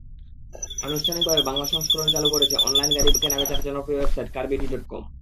আনুষ্ঠানিকভাবে বাংলা সংস্করণ চালু করেছে অনলাইনে গাড়ি কেনাবেচার জনপ্রিয় ওয়েবসাইট কারমুডি ডটকম।